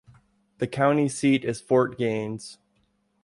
The county seat is Fort Gaines.